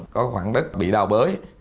có khoảng đất bị đào bới